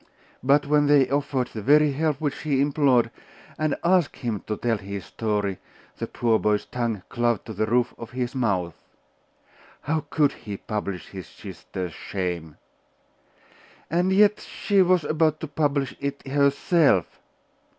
But when they offered the very help which he implored, and asked him to tell his story, the poor boy's tongue clove to the roof of his mouth. How could he publish his sisters shame? And yet she was about to publish it herself!....